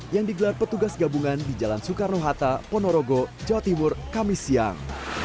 yang digelar petugas gabungan di jalan soekarno hatta ponorogo jawa timur kamis siang